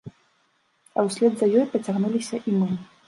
А ўслед за ёй пацягнуліся і мы.